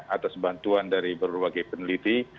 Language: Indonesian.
atas bantuan dari berbagai peneliti